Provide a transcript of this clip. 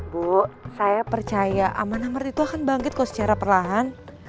bu saya percaya aman aman itu akan bangkit kok secara perlahan